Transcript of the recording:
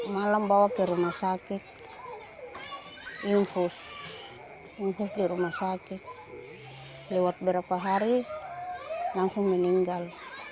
malam bawa ke rumah sakit ungkus di rumah sakit lewat berapa hari langsung meninggal